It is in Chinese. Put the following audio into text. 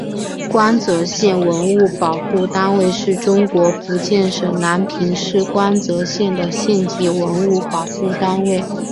光泽县文物保护单位是中国福建省南平市光泽县的县级文物保护单位。